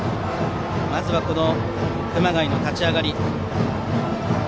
まず熊谷の立ち上がり。